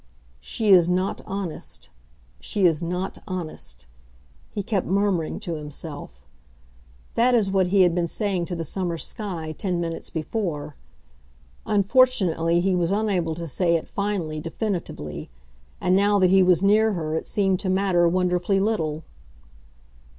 "She is not honest, she is not honest," he kept murmuring to himself. That is what he had been saying to the summer sky, ten minutes before. Unfortunately, he was unable to say it finally, definitively; and now that he was near her it seemed to matter wonderfully little.